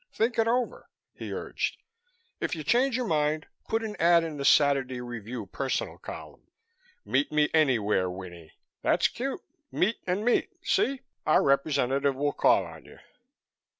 "Think it over!" he urged. "If you change your mind put an ad in the Saturday Review personal column. 'Meet me anywhere, Winnie!' That's cute. 'Meet' and 'Meat,' see? Our representative will call on you."